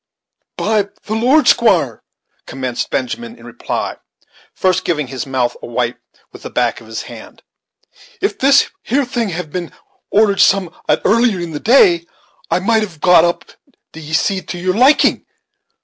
"By the Lord, squire," commenced Benjamin, in reply, first giving his mouth a wipe with the back of his hand, "if this here thing had been ordered sum'at earlier in the day, it might have been got up, d'ye see, to your liking.